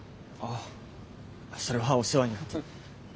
あそれはお世話になって。